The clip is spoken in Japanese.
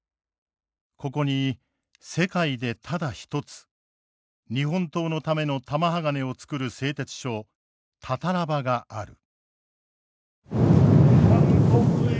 ここに世界でただ一つ日本刀のための玉鋼をつくる製鉄所たたら場がある。